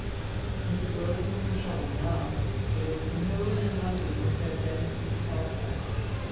Miss Rose was in trouble now, for there was no one in London with her then who could help her.